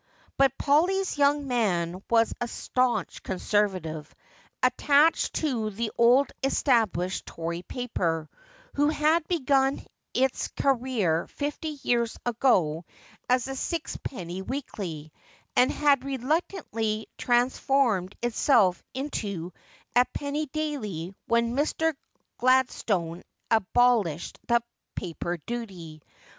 But Polly's young nan was a staunch Conservative, attached to the old established Tory paper, which had begun its career fifty years ago as a sispenny weekly, and had reluctantly trans formed itself into a penny daily when Mr. Gladstone abolished the paper duty.